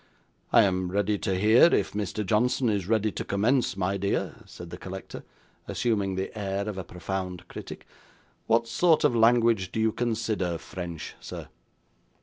'I am ready to hear, if Mr. Johnson is ready to commence, my dear,' said the collector, assuming the air of a profound critic. 'What sort of language do you consider French, sir?